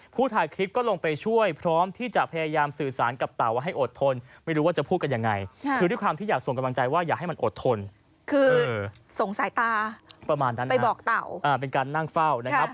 ไปบอกเต่าเป็นการนั่งเฝ้านะครับ